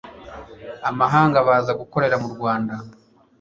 amahanga baza gukorera mu rwanda